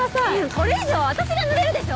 これ以上は私が濡れるでしょ！